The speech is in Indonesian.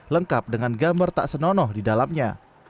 lengkap dengan gambar tak senonoh di dalamnya